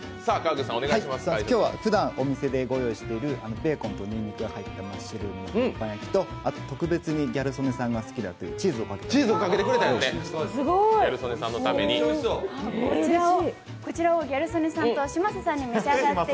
今日は、ふだんお店でご用意している、ベーコンとにんにくが入ったマッシュルームの鉄板焼きとあと、特別にギャル曽根さんが好きだというチーズをかけてご用意しました。